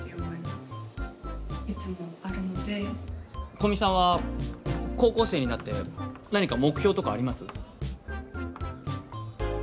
古見さんは高校生になって何か目標とかあります？